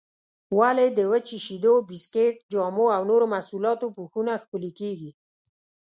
ولې د وچو شیدو، بسکېټ، جامو او نورو محصولاتو پوښونه ښکلي کېږي؟